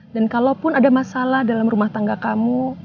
dan kalaupun ada masalah dalam rumah tangga kamu